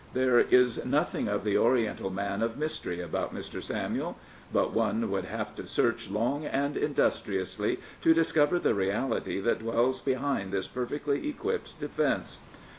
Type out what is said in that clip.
There is nothing of the Oriental man of mystery about Mr. Samuel; but one would have to search long and industriously to discover the reality that dwells behind this perfectly equipped defence.